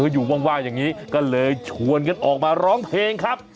อยู่ว่างอย่างนี้ก็เลยชวนกันออกมาร้องเพลงครับ